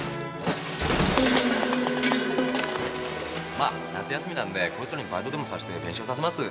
まっ夏休みなんでこいつらにバイトでもさして弁償させます。